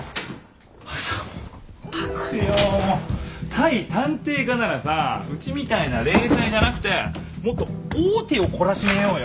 対探偵課ならさうちみたいな零細じゃなくてもっと大手を懲らしめようよ。